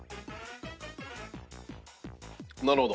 なるほど。